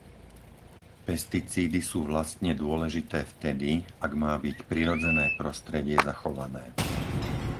Pesticídy sú vlastne dôležité vtedy, ak má byť prirodzené prostredie zachované.